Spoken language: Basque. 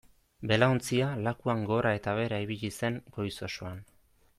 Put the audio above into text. Belaontzia lakuan gora eta behera ibili zen goiz osoan.